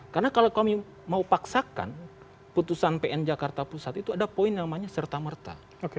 karena kalau kami mau paksakan putusan pn jakarta pusat itu ada point yang namanya serta merta